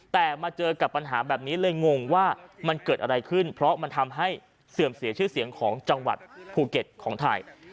แต่มาเจอกับปัญหาแบบนี้เลยงงว่าเกิดอะไรขึ้นเสื่อมเสียชื่อเสียงของจังหวัดพูเก็ตไทย